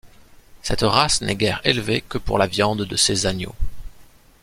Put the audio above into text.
Cette race n'est guère élevée que pour la viande de ses agneaux.